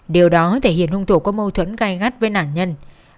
điều đó thể hiện hung thủ có mâu thuẫn gai gắt với nạn nhân